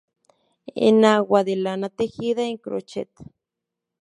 Enagua de lana tejida en crochet.